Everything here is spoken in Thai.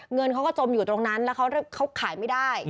เงินเขาก็จมอยู่ตรงนั้นแล้วเขาขายไม่ได้